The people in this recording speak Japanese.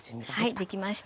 はいできました。